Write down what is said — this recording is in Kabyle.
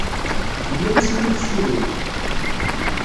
Yella wasmi ay tessullimt?